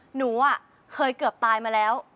หนูเคยเกือบตายมาแล้ว